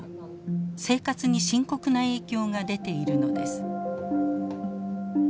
生活に深刻な影響が出ているのです。